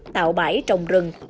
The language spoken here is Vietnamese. tạo bãi trồng rừng